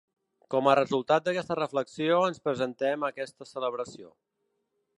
Com a resultat d’aquesta reflexió ens presentem a aquesta celebració.